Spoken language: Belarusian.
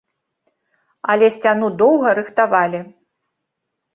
Але сцяну доўга рыхтавалі.